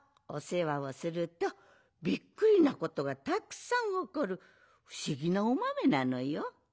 おせわをするとびっくりなことがたくさんおこるふしぎなおまめなのよ。